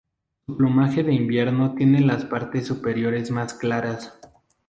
Su plumaje de invierno tiene las partes superiores más claras.